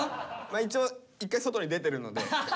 一応一回外に出てるので。